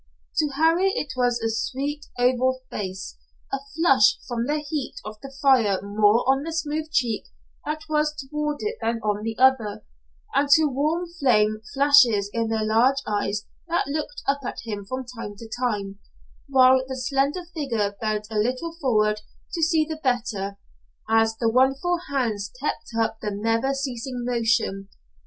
To Harry it was a sweet, oval face a flush from the heat of the fire more on the smooth cheek that was toward it than on the other, and warm flame flashes in the large eyes that looked up at him from time to time, while the slender figure bent a little forward to see the better, as the wonderful hands kept up the never ceasing motion.